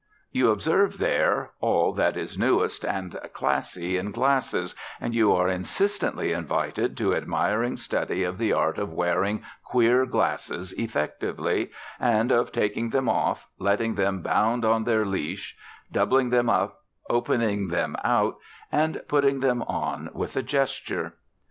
You observe there all that is newest and classy in glasses, and you are insistently invited to admiring study of the art of wearing queer glasses effectively, and of taking them off, letting them bound on their leash, doubling them up, opening them out, and putting them on with a gesture.